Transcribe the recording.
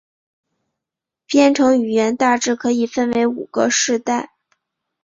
编程语言大致可以分为五个世代。